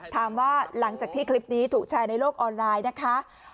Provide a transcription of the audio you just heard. หลังจากที่คลิปนี้ถูกแชร์ในโลกออนไลน์นะคะ